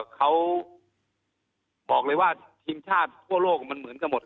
เขาบอกเลยว่าทีมชาติทั่วโลกมันเหมือนกันหมด